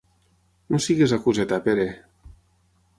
No siguis acuseta, Pere!